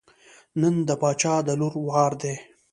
نن د باچا د لور وار دی.